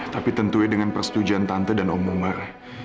tapi tentunya dengan persetujuan tante dan om umar